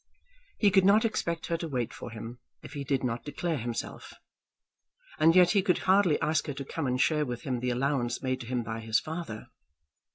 He could not expect her to wait for him if he did not declare himself. And yet he could hardly ask her to come and share with him the allowance made to him by his father!